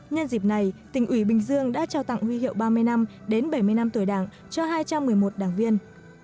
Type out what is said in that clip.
nhân dịp này tỉnh ủy bình dương đã trao tặng huy hiệu ba mươi năm bảy mươi năm tuổi đảng cho hai trăm một mươi một đảng viên